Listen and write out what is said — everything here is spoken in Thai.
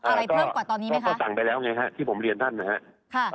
อะไรเพิ่มกว่าตอนนี้ไหมคะก็สั่งไปแล้วไงฮะที่ผมเรียนท่านนะฮะค่ะ